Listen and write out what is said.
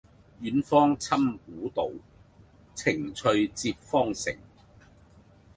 遠芳侵古道，晴翠接荒城。